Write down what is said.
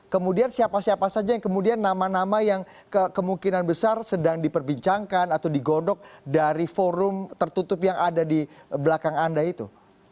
kemudian siapa siapa saja yang kemudian nama nama yang kemungkinan besar sedang diperbincangkan atau digodok dari forum tertutup yang ada di belakang anda itu